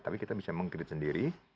tapi kita bisa mengkredit sendiri